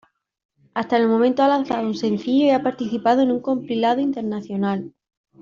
Hasta el momento ha lanzado un sencillo y ha participado en un compilado internacional.